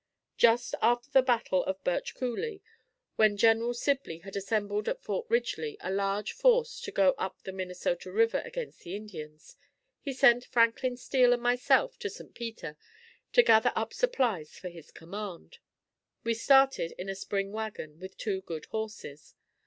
Just after the battle of Birch Coolie, when General Sibley had assembled at Fort Ridgely a large force to go up the Minnesota River against the Indians, he sent Franklin Steele and myself to St. Peter to gather up supplies for his command. We started in a spring wagon with two good horses.